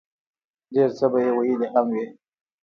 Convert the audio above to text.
ډېر څۀ به ئې ويلي هم وي